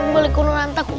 beli kunungan takut